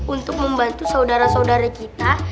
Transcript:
untuk membantu saudara saudara kita